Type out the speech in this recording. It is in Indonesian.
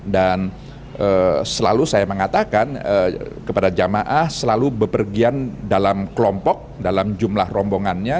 dan selalu saya mengatakan kepada jemaah selalu bepergian dalam kelompok dalam jumlah rombongannya